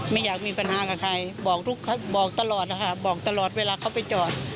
ไม่อยากมีปัญหากับใครบอกทุกเขาบอกตลอดนะคะบอกตลอดเวลาเขาไปจอด